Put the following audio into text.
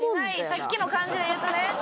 さっきの感じで言うとね。